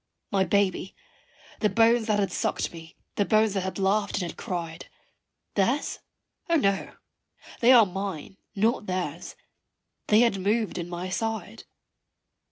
My baby, the bones that had sucked me, the bones that had laughed and had cried Theirs? O no! they are mine not theirs they had moved in my side.